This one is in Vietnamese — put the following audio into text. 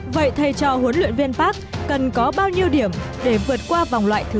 vậy thầy cho huấn luyện viên park cần có bao nhiêu điểm để vượt qua vòng loại thứ ba